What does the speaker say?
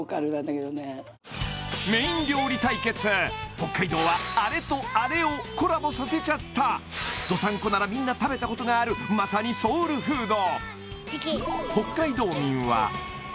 北海道はアレとアレをコラボさせちゃった道産子ならみんな食べたことがあるまさにソウルフード！